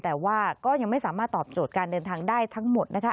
แต่ว่าก็ยังไม่สามารถตอบโจทย์การเดินทางได้ทั้งหมดนะคะ